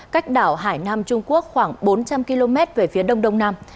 cách đảo hải nam trung quốc khoảng bốn trăm linh km về phía đông đông nam